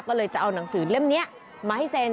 ก็เลยจะเอาหนังสือเล่มนี้มาให้เซ็น